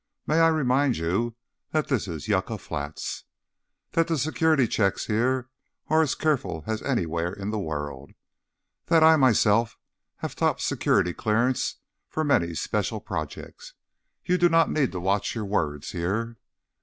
"May I remind you that this is Yucca Flats? That the security checks here are as careful as anywhere in the world? That I, myself, have top security clearance for many special projects? You do not need to watch your words here."